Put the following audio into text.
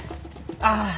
ああ。